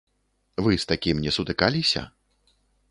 Вы з такім не сутыкаліся?